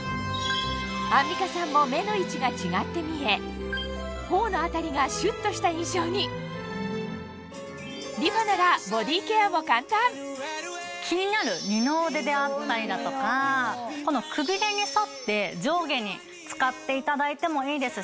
アンミカさんも目の位置が違って見え頬の辺りがシュっとした印象にリファなら気になる二の腕であったりだとかこのくびれに沿って上下に使っていただいてもいいですし。